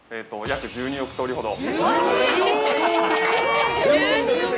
◆約１２億とおりほど。